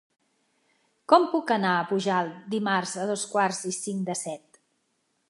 Com puc anar a Pujalt dimarts a dos quarts i cinc de set?